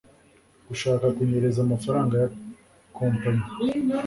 gushaka kunyereza amafaranga ya company i